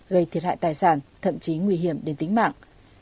gây thiệt hại tài sản thậm chí nguy hiểm đến tính mạng